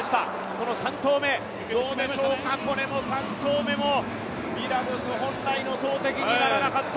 この３投目どうでしょうか、これも３投目もヴィラゴス本来の投てきにはならなかった。